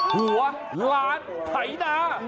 หัวล้านไถนา